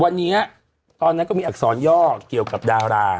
วันนี้ตอนนั้นก็มีอักษรย่อเกี่ยวกับดารา